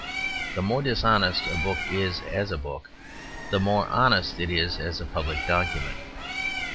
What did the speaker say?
The more dishonest a book is as a book the more honest it is as a public document.